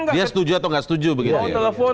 dia setuju atau tidak setuju mau telepon